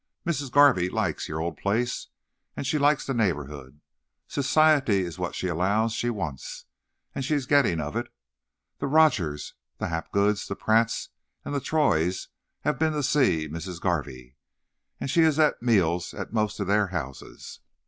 Missis Garvey likes yo' old place, and she likes the neighbourhood. Society is what she 'lows she wants, and she is gettin' of it. The Rogerses, the Hapgoods, the Pratts and the Troys hev been to see Missis Garvey, and she hev et meals to most of thar houses.